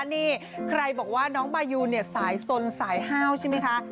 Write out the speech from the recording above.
นี่ใครบอกว่าน้องบายูเนี่ยสายสนสายห้าวใช่ไหมคะ